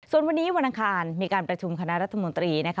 ส่วนวันนี้วันอังคารมีการประชุมคณะรัฐมนตรีนะคะ